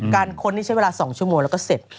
ค้นนี่ใช้เวลา๒ชั่วโมงแล้วก็เสร็จ